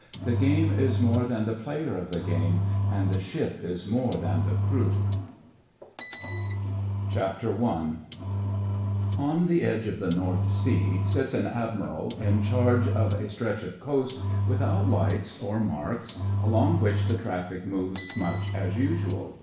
The game is more than the player of the game. And the ship is more than the crew I PATROLS On the edge of the North Sea sits an Admiral in charge of a stretch of coast without Hghts or marks, along which the traflSc moves much as usual.